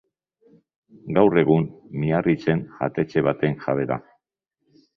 Gaur egun Miarritzen jatetxe baten jabe da.